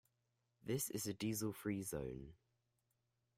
This is a diesel free zone.